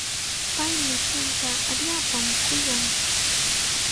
Pay mishinta allaapam kuyan.